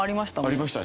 ありました。